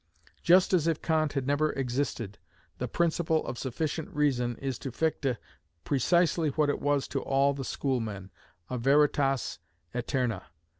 Just as if Kant had never existed, the principle of sufficient reason is to Fichte precisely what it was to all the schoolmen, a veritas aeterna.